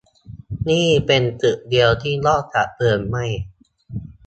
นี่เป็นตึกเดียวที่รอดจากเพลิงไหม้